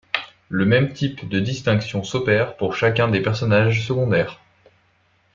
Le même type de distinction s'opère pour chacun des personnages secondaires.